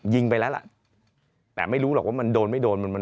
ไปแล้วล่ะแต่ไม่รู้หรอกว่ามันโดนไม่โดนมัน